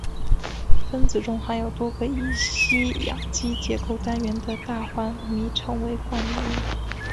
分子中含有多个乙烯氧基结构单元的大环醚称为冠醚。